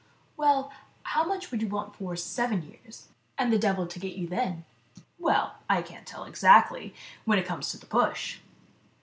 " Well, how much do you want for seven years, and the devil to get you then ?" "Well, I can't tell exactly, when it comes to the push."